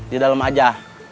di dalam aja